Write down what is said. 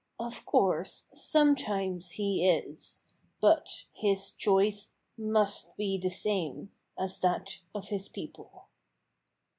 Of course, sometimes he is, but his choice must be the same as that of his people."